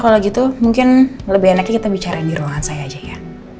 kalau gitu mungkin lebih enaknya kita bicara di ruangan saya aja ya